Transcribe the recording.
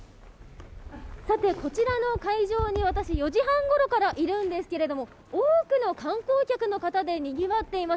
こちらの会場に私、４時半ごろからいるんですが多くの観光客の方でにぎわっています。